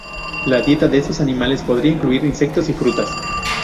La dieta de estos animales podría incluir insectos y frutas.